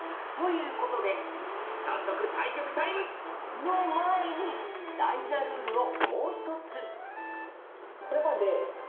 早速対局タイム！の前に大事なルールをもう一つ。